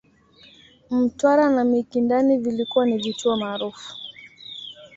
Mtwara na Mikindani vilikuwa ni vituo maarufu